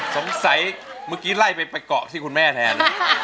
สงสัยเมื่อกี้ไล่ไปเกาะที่คุณแม่แทน